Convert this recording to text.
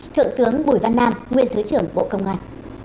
thượng tướng bùi văn nam nguyên thứ trưởng bộ công an